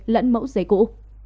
lẫn mẫu giấy cũ